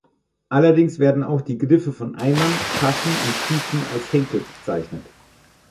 Allerdings werden auch die Griffe von Eimern, Taschen und Tüten als Henkel bezeichnet.